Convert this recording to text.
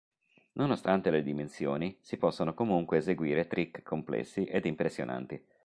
Nonostante le dimensioni si possono comunque eseguire "trick" complessi ed impressionanti.